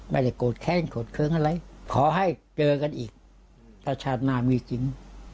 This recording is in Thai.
ไม่ได้โกรธแค้นโกรธเครื่องอะไรขอให้เจอกันอีกถ้าชาติหน้ามีจริง